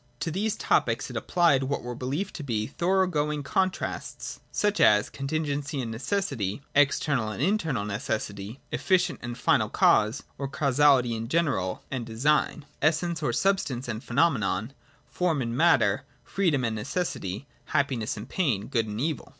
To these topics it applied what were believed to be thorough going contrasts : such as contingency and necessity ; external and internal necessity ; efficient and final cause, or causality in general and design ; essence or substance and phenomenon ; form and matter ; free dom and necessity ; happiness and pain ; good and evil.